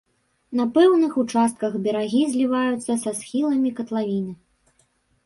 На пэўных участках берагі зліваюцца са схіламі катлавіны.